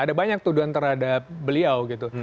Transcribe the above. ada banyak tuduhan terhadap beliau gitu